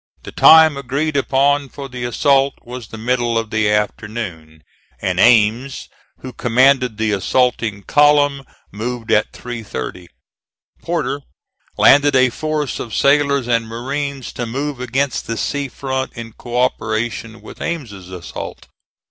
The time agreed upon for the assault was the middle of the afternoon, and Ames who commanded the assaulting column moved at 3.30. Porter landed a force of sailors and marines to move against the sea front in co operation with Ames's assault.